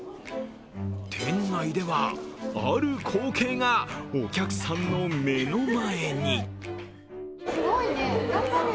店内では、ある光景が、お客さんの目の前に。